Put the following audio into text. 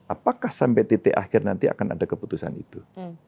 apakah sampai titik akhir nanti akan ada keputusan itu